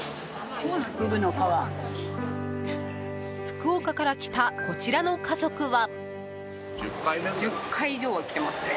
福岡から来たこちらの家族は。